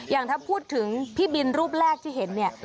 อย่างถ้าพูดถึงพี่บินรูปแรกที่เห็นเนี่ย